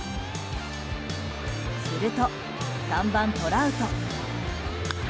すると３番、トラウト。